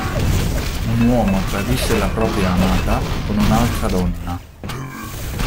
Un uomo tradisce la propria amata con un'altra donna.